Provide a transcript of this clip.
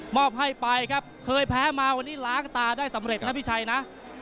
อบให้ไปครับเคยแพ้มาวันนี้ล้างตาได้สำเร็จนะพี่ชัยนะ